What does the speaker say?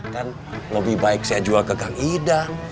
kan lebih baik saya jual ke kang ida